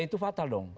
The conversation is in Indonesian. itu fatal dong